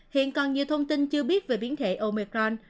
hiện còn nhiều thông tin chưa biết về biến thể omecron